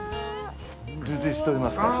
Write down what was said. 充実しておりますから。